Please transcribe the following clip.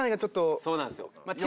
そうなんですよ。